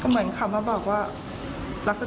ก็เหมือนเขามาบอกว่ารักษณะเหมือนกับเขา